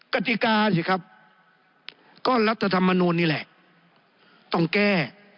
กติกาสิครับก็รัฐธรรมนูลนี่แหละต้องแก้